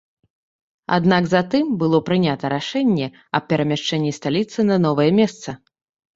Аднак затым было прынята рашэнне аб перамяшчэнні сталіцы на новае месца.